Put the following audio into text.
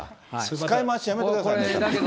使い回しやめてください。